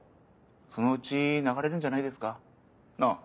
そのうち流れるんじゃないですか？なぁ。